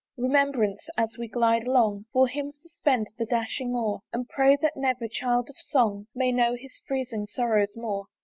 Remembrance! as we glide along, For him suspend the dashing oar, And pray that never child of Song May know his freezing sorrows more.